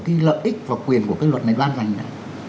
cái lợi ích và quyền của cái luật này ban hành ra